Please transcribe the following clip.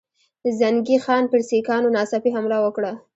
زنګي خان پر سیکهانو ناڅاپي حمله وکړه.